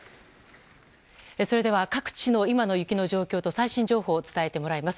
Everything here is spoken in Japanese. それでは各地の今の雪の状況と最新情報を伝えてもらいます。